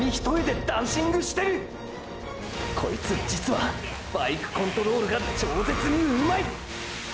こいつ実はバイクコントロールが超絶に上手い！！